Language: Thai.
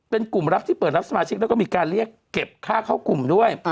เป็นกลุ่มรับที่เปิดรับสมาชิกแล้วก็มีการเรียกเก็บค่าเข้ากลุ่มด้วย